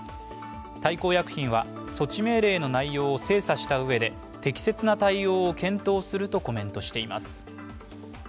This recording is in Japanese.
大幸薬品は、措置命令の内容を精査したうえで適切な対応を検討するとコメントしています。